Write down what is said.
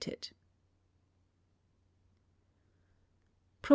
Prop.